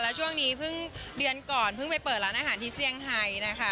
แล้วช่วงนี้เพิ่งเดือนก่อนเพิ่งไปเปิดร้านอาหารที่เซี่ยงไทยนะคะ